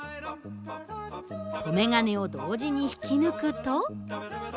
留め金を同時に引き抜くと。